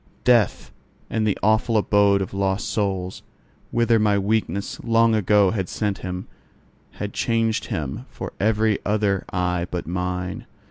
Death and the awful abode of lost souls, whither my weakness long ago had sent him, had changed him for every other eye but mine.